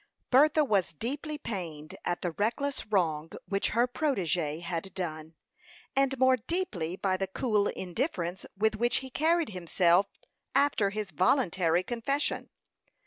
Bertha was deeply pained at the reckless wrong which her protégé had done, and more deeply by the cool indifference with which he carried himself after his voluntary confession.